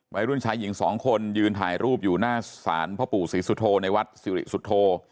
วัยรุ่นชายหญิงสองคนยืนถ่ายรูปอยู่หน้าศาลพ่อปู่ศรีสุโธในวัดสิริสุโธ